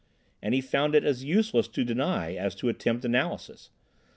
And he found it as useless to deny as to attempt analysis.